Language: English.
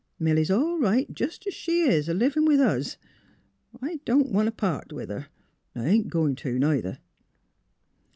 Milly 's all right, jes 's she is, a livin' with us. I don' wan' t' part with her, 'n' I ain't a goin' to, neither."